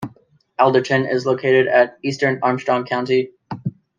Elderton is located at in eastern Armstrong County.